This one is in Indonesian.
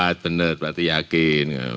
empat bener berarti yakin